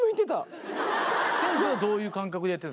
先生はどういう感覚でやってる？